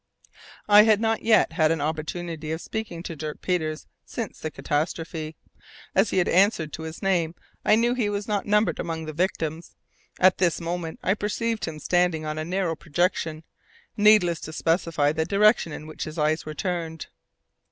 I had not yet had an opportunity of speaking to Dirk Peters since the catastrophe. As he had answered to his name, I knew he was not numbered among the victims. At this moment, I perceived him standing on a narrow projection; needless to specify the direction in which his eyes were turned.